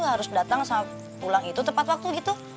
harus datang pulang itu tepat waktu gitu